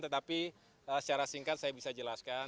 tetapi secara singkat saya bisa jelaskan